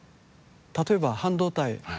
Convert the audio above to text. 例えば半導体。